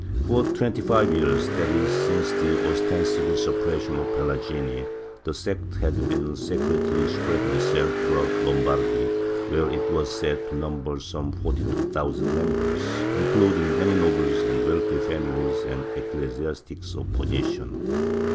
For twenty five years— that is, since the ostensible suppression of the Pelagini— the sect had been secretly spreading itself through out Lombardy, where it was said to number some forty two thousand members, including many nobles and wealthy famiUes and ecclesiastics of position.